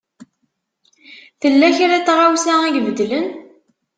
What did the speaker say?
Tella kra n tɣawsa i ibeddlen?